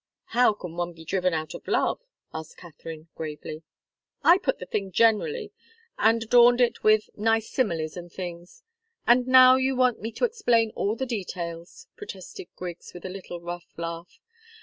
"How can one be driven out of love?" asked Katharine, gravely. "I put the thing generally, and adorned it with nice similes and things and now you want me to explain all the details!" protested Griggs, with a little rough laugh.